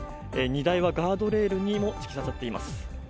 荷台はガードレールにも突き刺さっています。